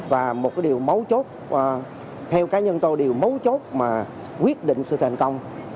và một điều máu chốt theo cá nhân tôi điều máu chốt mà quyết định sự thành công